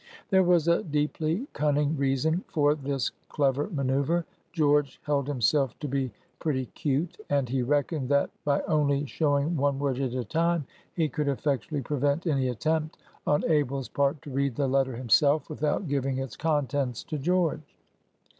There was a deeply cunning reason for this clever manœuvre. George held himself to be pretty "cute," and he reckoned that, by only showing one word at a time, he could effectually prevent any attempt on Abel's part to read the letter himself without giving its contents to George.